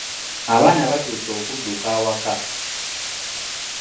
Abaana batuuse okudduka awaka.